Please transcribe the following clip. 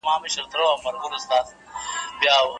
پوهه د ناسمو دودونو د اصلاح زمینه برابروي.